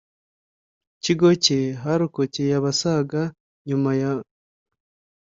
Kigo cye harokokeye abasaga nyuma ya